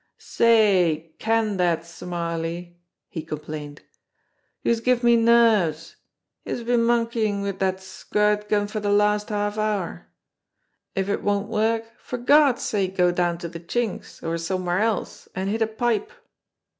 "Say, can dat, Smarly !" he complained. "Youse give me nerves. Youse've been monkeyin' wid dat squirt gun for de last half hour. If it won't work, for Gawd's sake go Jown to de Chink's, or somewhere else, and hit a pipe."